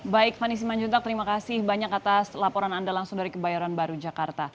baik fani simanjuntak terima kasih banyak atas laporan anda langsung dari kebayoran baru jakarta